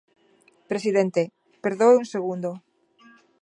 Presidente, perdoe un segundo.